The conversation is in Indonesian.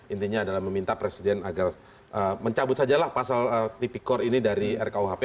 intinya adalah meminta presiden agar mencabut sajalah pasal tipikor ini dari rkuhp